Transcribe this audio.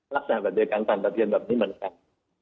รักษาแบบเดือดกลางสันประเทียมแบบนี้เหมือนกัน